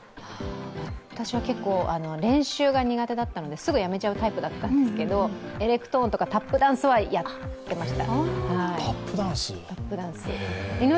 私は結構練習が苦手だったので、すぐやめちゃうタイプだったんですけどエレクトーンとかタップダンスはやってました。